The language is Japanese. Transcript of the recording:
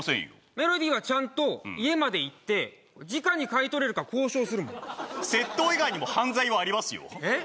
メロディはちゃんと家まで行ってじかに買い取れるか交渉するもん窃盗以外にも犯罪はありますよえっ？